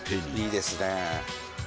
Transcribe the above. いいですね。